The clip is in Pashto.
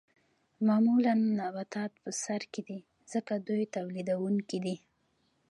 معمولاً نباتات په سر کې دي ځکه دوی تولیدونکي دي